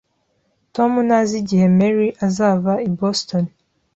Tom ntazi igihe Mary azava i Boston